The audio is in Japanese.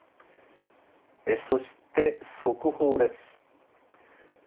えそして速報です。